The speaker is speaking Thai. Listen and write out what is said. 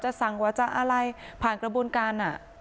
อย่างเงี้ยกว่าจะสั่งกว่าจะอะไรผ่านกระบูนการอ่ะ